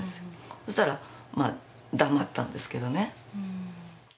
そしたら、黙ったんですけどね。